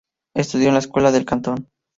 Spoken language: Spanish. Estudió en la Escuela del cantón St.